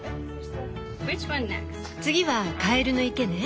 次はカエルの池ね。